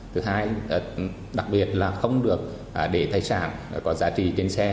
thứ hai đặc biệt là không được để tài sản có giá trị trên xe